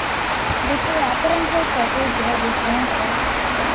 The two apparently settled their differences.